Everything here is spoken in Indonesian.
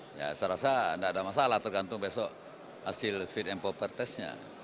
saya rasa tidak ada masalah tergantung besok hasil fit and proper testnya